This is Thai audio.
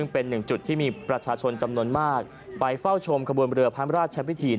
เป็นหนึ่งจุดที่มีประชาชนจำนวนมากไปเฝ้าชมขบวนเรือพระราชพิธี